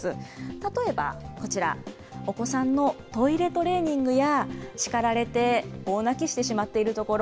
例えばこちら、お子さんのトイレトレーニングや叱られて大泣きしてしまっているところ。